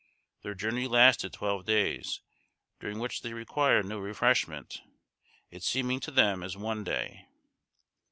Their journey lasted twelve days, during which they required no refreshment, it seeming to them as one day.